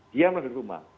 diamlah di rumah